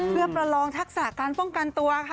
เพื่อประลองทักษะการป้องกันตัวค่ะ